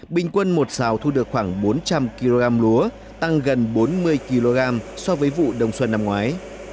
bình quân một sào thu được khoảng bốn trăm linh kg lúa tăng gần bốn mươi kg so với vụ đông xuân năm ngoái